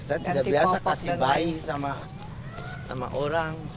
saya tidak biasa kasih bayi sama orang